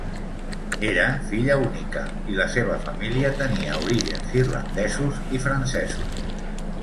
Era filla única, i la seva família tenia orígens irlandesos i francesos.